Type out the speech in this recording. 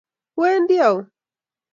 Iwendi au?